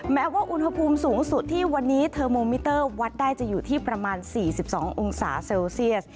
แม้ว่าอุณหภูมิสูงสุดที่วันนี้เทอร์โมมิเตอร์วัดได้จะอยู่ที่ประมาณ๔๒องศาเซลเซียส